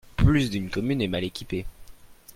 Plus d'une commune est mal équipée.